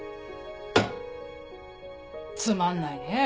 つまんないねぇ。